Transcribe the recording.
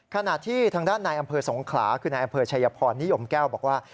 ขณะที่ทางด้านนายอำเภอสงขลาคือนายอำเภอชัยพรนิยมแก้วบอกว่า